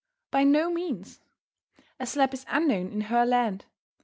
By no means. A slap is unknown in her land.